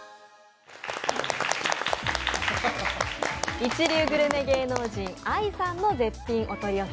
一流グルメ芸能人・Ｉさんの絶品お取り寄せ。